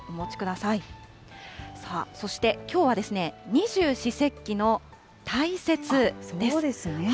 さあ、そしてきょうは二十四節気の大雪です。